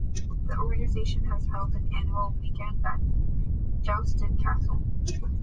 That organization has held an annual "Weekend at Gelston Castle".